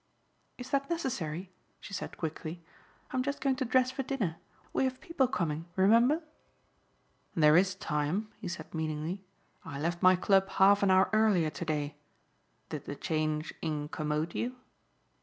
"Is that necessary," she said quickly. "I'm just going to dress for dinner. We have people coming, remember." "There is time," he said meaningly. "I left my club half an hour earlier to day. Did the change incommode you?"